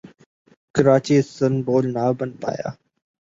Karachi Istanbul نہ بن پایا